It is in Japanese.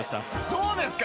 どうですか？